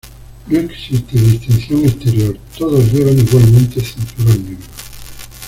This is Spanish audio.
No existe distinción exterior, todos llevan igualmente cinturón negro.